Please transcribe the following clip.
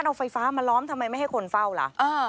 เอาไฟฟ้ามาล้อมทำไมไม่ให้คนเฝ้าล่ะ